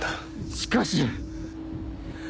しかし。